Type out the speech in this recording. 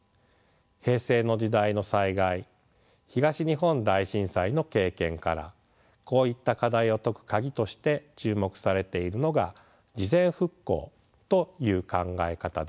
平成の時代の災害東日本大震災の経験からこういった課題を解くカギとして注目されているのが事前復興という考え方です。